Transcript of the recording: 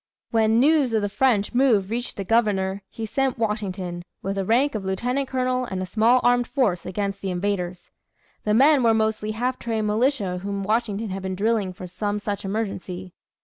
When news of the French move reached the Governor, he sent Washington, with the rank of lieutenant colonel, and a small armed force against the invaders. The men were mostly half trained militia whom Washington had been drilling for some such emergency.